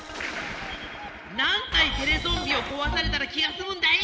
何体テレゾンビをこわされたら気がすむんだい！